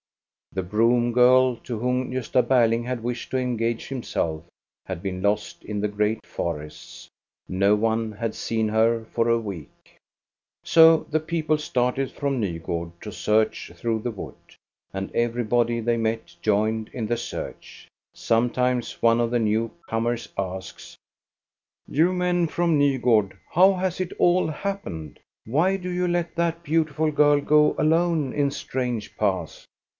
The broom girl, to whom Gosta Ber ling had wished to engage himself, had been lost in the great forests. No one had seen her for a week. 404 THE STORY OF GOSTA BE RUNG So the people started from Nygard to search through the wood. And everybody they met joined in the search. Sometimes one of the new comers asks, — "You men from Nygard, how has it all happened? Why do you let that beautiful girl go alone in strange paths?